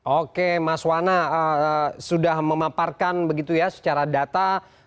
oke mas wana sudah memaparkan begitu ya secara data